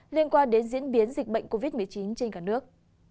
liên quan đến diễn biến dịch bệnh covid một mươi chín trên cả nước